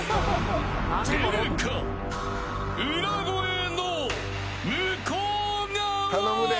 出るか、裏声の向こう側。